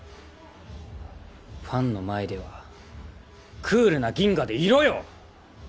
ファンの前ではクールなギンガでいろよ！